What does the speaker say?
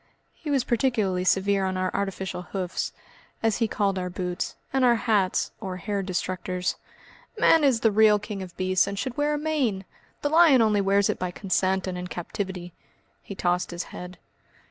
He was particularly severe on our artificial hoofs, as he called our boots, and our hats or hair destructors. "Man is the real King of Beasts and should wear a mane. The lion only wears it by consent and in captivity." He tossed his head.